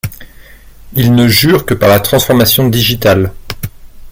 Ils ne jurent que par la transformation digitale...